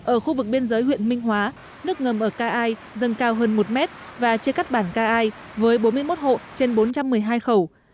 ở khu vực biên giới huyện minh hóa nước ngầm ở ca ai dâng cao hơn một mét và chia cắt bản ca ai với bốn mươi một hộ trên bốn trăm một mươi hai khẩu